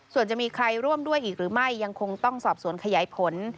ส่วนจะมีใครร่วมด้วยอีกหรือไม่ยังคงต้องสอบสวนขยายผล